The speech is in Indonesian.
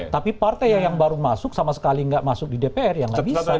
tapi partai yang baru masuk sama sekali tidak masuk di dpr yang tidak bisa